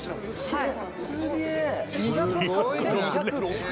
「はい」